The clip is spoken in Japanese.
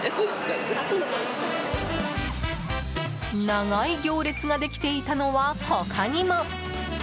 長い行列ができていたのは他にも。